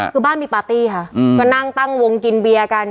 คือบ้านมีปาร์ตี้ค่ะก็นั่งตั้งวงกินเบียร์กัน